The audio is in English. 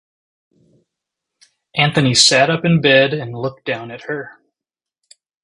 Anthony sat up in bed and looked down at her.